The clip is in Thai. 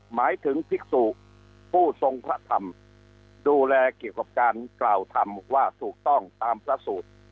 หมายถึงภิกษุผู้ทรงพระธรรมดูแลเกี่ยวกับการกล่าวธรรมว่าถูกต้องตามพระสูตร